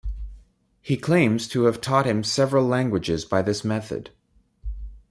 He claims to have taught him several languages by this method.